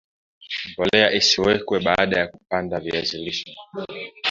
mbolea isiwekwe baada ya kupanda viazi lishe